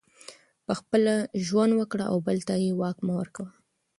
پخپله ژوند وکړه او بل ته یې واک مه ورکوه